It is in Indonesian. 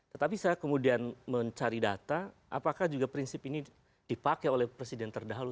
tetapi saya kemudian mencari data apakah juga prinsip ini dipakai oleh presiden terdahulu